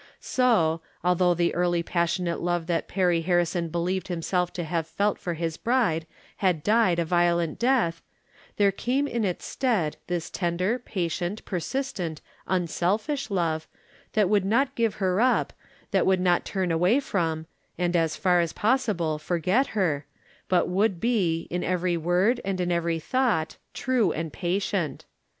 So, although the early pas sionate love that Perry Harrison believed himseK to have felt for his bride had died a violent death, there came in its stead this tender, patient, persistent, unselfish love, that would not give her up, that would not turn away from, and, as far as possible, forget her, but would be, in every word 310 From Different Standpoints. and in every thought, true and patient.